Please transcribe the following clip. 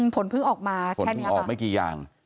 ผลพึ่งออกมาแค่นี้หรือเปล่าผลพึ่งออกไม่กี่อย่าง